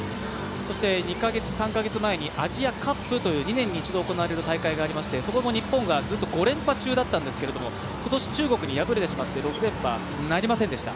２か月、３か月前にアジアカップといわれる２年に一度行われる大会がありましてそこも日本が５連覇中だったんですけど今年、中国に敗れてしまって６連覇なりませんでした。